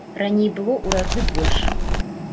Раней было ў разы больш.